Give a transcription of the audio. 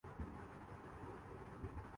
تو اس چھوٹے کو لائیے۔